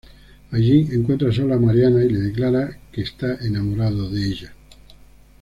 Allí encuentra sola a Mariana y le declara que está enamorado de ella.